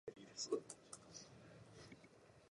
The junior school is Kaumaile Primary School.